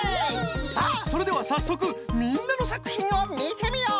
さあそれではさっそくみんなのさくひんをみてみよう！